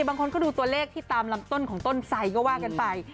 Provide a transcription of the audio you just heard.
บางคนก็ดูตัวเลขที่ตามลำต้นของต้นไสก็ว่ากันไป